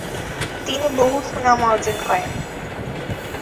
তিনি বহু সুনাম অর্জন করেন।